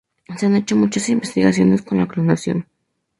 Se han hecho muchas investigaciones con la clonación.